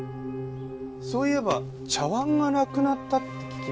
そういえば茶碗がなくなったって聞きましたねえ。